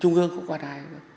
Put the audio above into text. trung ương cũng qua đài